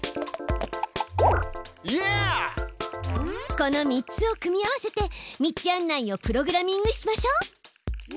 この３つを組み合わせて道案内をプログラミングしましょ！